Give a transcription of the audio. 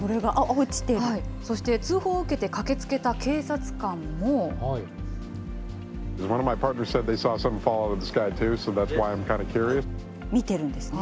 そして通報を受けて駆けつけ見てるんですね。